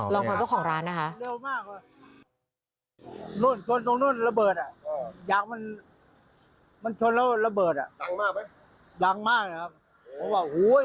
ลองฟังเจ้าของร้านนะคะ